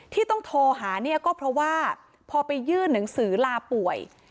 ที่ต้องโทรหาเนี่ยก็เพราะว่าพอไปยื่นหนังสือลาป่วย